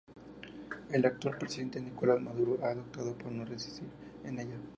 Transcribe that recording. El actual presidente Nicolás Maduro ha optado por no residir en ella.